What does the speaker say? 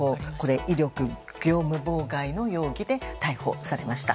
威力業務妨害の容疑で逮捕されました。